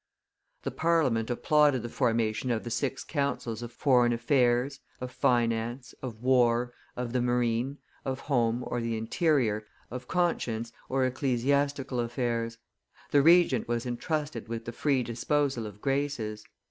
The Parliament applauded the formation of the six councils of foreign affairs, of finance, of war, of the marine, of home or the interior, of conscience or ecclesiastical affairs; the Regent was intrusted with the free disposal of graces.